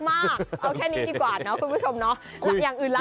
เอาแค่นี้ดีกว่านะคุณผู้ชมเนาะ